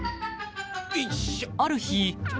［ある日］